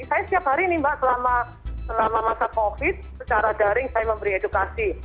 saya setiap hari nih mbak selama masa covid secara daring saya memberi edukasi